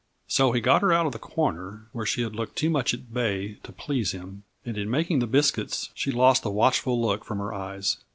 So he got her out of the corner, where she had looked too much at bay to please him, and in making the biscuits she lost the watchful look from her eyes.